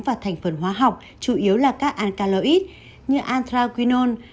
và thành phần hóa học chủ yếu là các alkaloid như anthraquinone